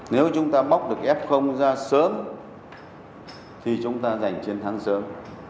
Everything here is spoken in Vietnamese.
nếu chúng ta bóc được f ra sớm thì chúng ta giành chiến thắng sớm